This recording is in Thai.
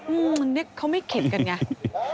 มันนี่เค้าไม่เข็นกันไง